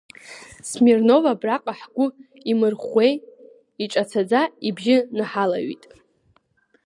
Смирнов абраҟагь ҳгәы имырӷәӷәеи, иҿацаӡа ибжьы наҳалаҩит…